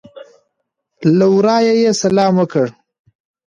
له ورایه یې سلام وکړ.